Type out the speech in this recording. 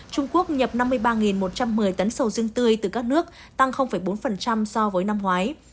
trung quốc nhập năm mươi ba một trăm một mươi tấn sầu riêng tươi từ các nước tăng bốn so với năm ngoái